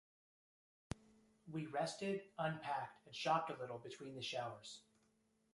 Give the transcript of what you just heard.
We rested, unpacked, and shopped a little between the showers.